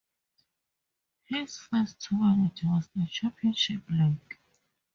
His first tournament was the Championship League.